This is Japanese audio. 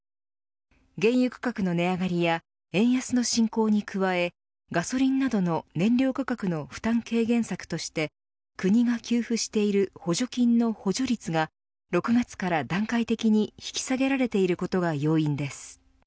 原油価格の値上がりや円安の進行に加えガソリンなどの燃料価格の負担軽減策として国が給付している補助金の補助率が６月から段階的に引き下げられていることが要因です。